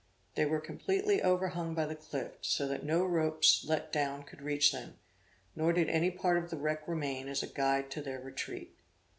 They were completely overhung by the cliff, so that no ropes let down could reach them; nor did any part of the wreck remain as a guide to their retreat.